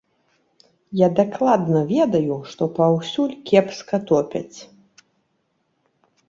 Я дакладна ведаю, што паўсюль кепска топяць.